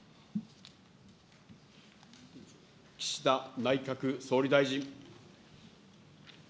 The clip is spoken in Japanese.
岸田内閣総理大臣。